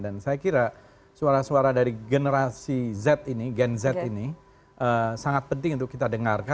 dan saya kira suara suara dari generasi z ini gen z ini sangat penting untuk kita dengarkan